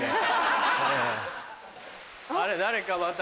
あれ誰かまた。